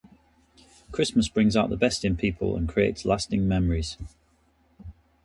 Christmas brings out the best in people and creates lasting memories.